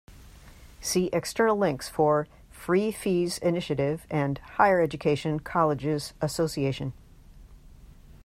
See external links for: "free-fees initiative" and "Higher Education Colleges Association".